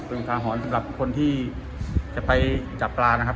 เป็นอุทาหรณ์สำหรับคนที่จะไปจับปลานะครับ